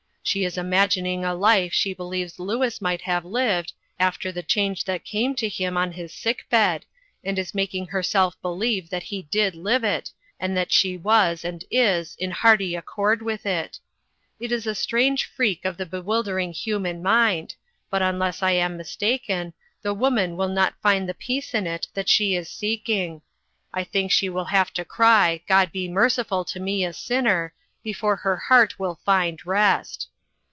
She is imagining a life she believes Louis might have lived, after the change that came to him on his sick bed, and is making herself believe that he did live it, and that she was, and is, in hearty accord with it. It is a strange freak of the bewildering human mind^ but unless I am mistaken, the woman will not find the peace in it that she is seeking. I think she will have to cry, ' God be merci ful to rne a sinner,' before her heart will find rest."